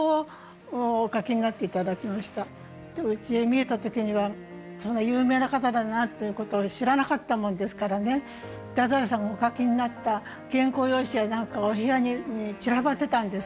うちへ見えた時にはそんな有名な方だなっていうことを知らなかったもんですからね太宰さんがお書きになった原稿用紙や何かお部屋に散らばってたんです。